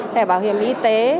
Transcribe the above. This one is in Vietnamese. hệ bảo hiểm y tế